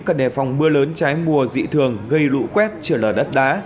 cần đề phòng mưa lớn trái mùa dị thường gây lũ quét trở lở đất đá